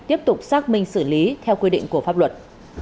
tiếp tục xác minh xử lý theo quy định của pháp luật